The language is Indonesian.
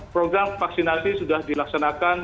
program vaksinasi sudah dilaksanakan